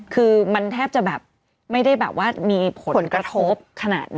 คือมันแทบจะแบบไม่ได้แบบว่ามีผลกระทบขนาดนั้น